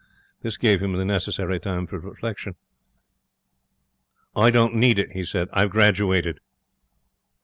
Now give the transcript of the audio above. This gave him the necessary time for reflection. 'I don't need it,' he said. 'I've graduated.'